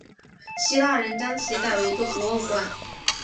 希腊人将其改为一座博物馆。